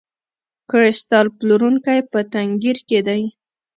کریستال پلورونکی په تنګیر کې دی.